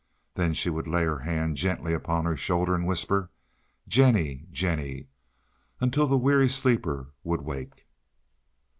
Then she would lay her hand gently upon her shoulder and whisper, "Jennie, Jennie," until the weary sleeper would wake.